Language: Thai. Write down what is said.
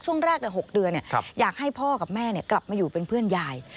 ช่วงแรก๖เดือนอยากให้พ่อกับแม่กลับมาอยู่เป็นเพื่อนยาย